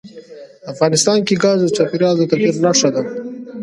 افغانستان کې ګاز د چاپېریال د تغیر نښه ده.